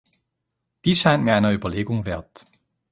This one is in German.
Dies scheint mir einer Überlegung wert.